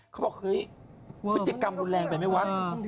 เขาบอกเฮ้ยพฤติกรรมรุนแรงไปไหมวะ